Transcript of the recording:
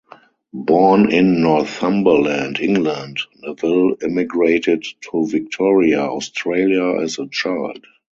Born in Northumberland, England, Neville immigrated to Victoria, Australia as a child.